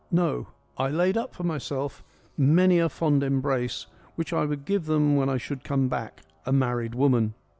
No, I laid up for myself many a EURIPIDES 97 fond embrace which I would give them when I should come back, a married woman.'